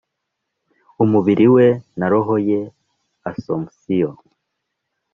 ’umubiri we na roho ye. asomusiyo).